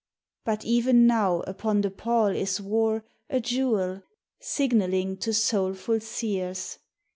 But even now upon the pall is wore A jewel, signalling to soul full seers.